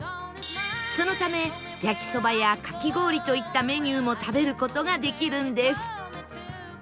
そのため焼きそばやかき氷といったメニューも食べる事ができるんです